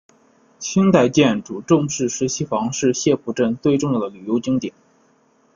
清代建筑郑氏十七房是澥浦镇最重要的旅游景点。